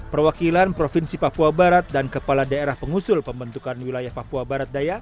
perwakilan provinsi papua barat dan kepala daerah pengusul pembentukan wilayah papua barat daya